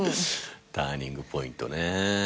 ターニングポイントね。